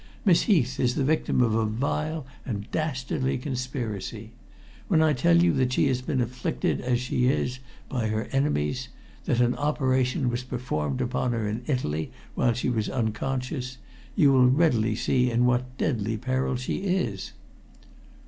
"Miss Heath is the victim of a vile and dastardly conspiracy. When I tell you that she has been afflicted as she is by her enemies that an operation was performed upon her in Italy while she was unconscious you will readily see in what deadly peril she is."